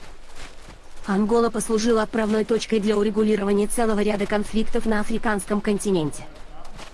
Ангола послужила отправной точкой для урегулирования целого ряда конфликтов на Африканском континенте.